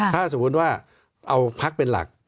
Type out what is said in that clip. ถ้าสมมุติว่าเอาพักเป็นหลัก